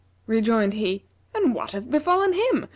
Rejoined he, And what hath befallen him?